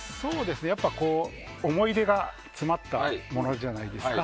やっぱり、思い出が詰まったものじゃないですか。